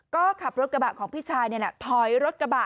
ก็ขับรถกระบะของพี่ชายนี่แหละถอยรถกระบะ